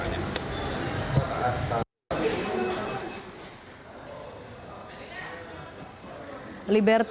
saya tidak akan berhenti